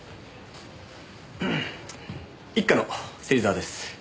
一課の芹沢です。